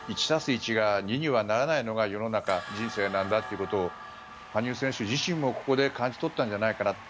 １足す１が２にはならないのが世の中、人生なんだということを羽生選手自身もここで感じ取ったんじゃないかな。